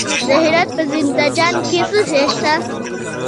د هرات په زنده جان کې څه شی شته؟